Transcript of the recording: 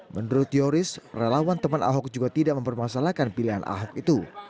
menurut yoris relawan teman ahok juga tidak mempermasalahkan pilihan ahok itu